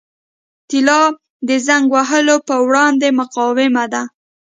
طلا د زنګ وهلو پر وړاندې مقاوم دی.